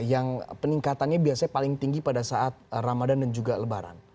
yang peningkatannya biasanya paling tinggi pada saat ramadhan dan juga lebaran